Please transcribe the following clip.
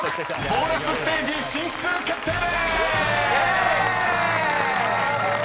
［ボーナスステージ進出決定でーす！］